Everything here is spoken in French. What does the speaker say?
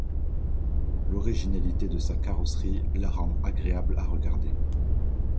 L'originalité de sa carrosserie la rend agréable à regarder.